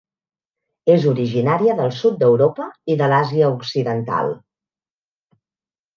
És originària del sud d'Europa i de l'Àsia occidental.